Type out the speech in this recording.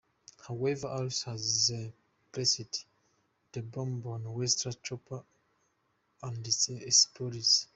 However, Alice has placed the bomb on Wesker's chopper and it explodes.